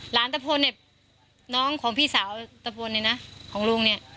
ตะพลเนี่ยน้องของพี่สาวตะพลเนี่ยนะของลุงเนี่ย